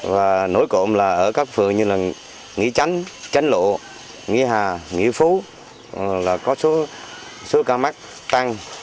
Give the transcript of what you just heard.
và ở các phường như là nghĩa chánh chánh lộ nghĩa hà nghĩa phú là có số ca mắc tăng